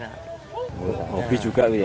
hobi juga gitu ya